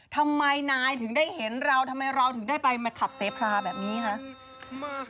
ทำไมเราถึงได้ไปมาขับเสพพลาแบบนี้คะ